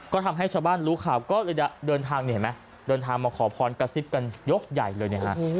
ก็ทำให้ชาวบ้านรู้ข่าวก็เดินทางมาขอพรกระซิบกันยกใหญ่เลย